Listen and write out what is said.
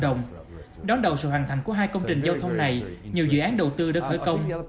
đồng đầu sự hoàn thành của hai công trình giao thông này nhiều dự án đầu tư đã khởi công